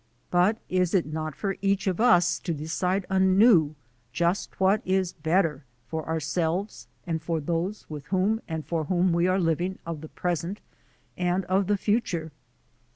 But is it not for each of us to decide anew just what is 'better' for ourselves, and for those with whom and for whom we are living of the pres ent and of the future?